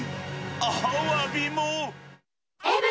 アワビも。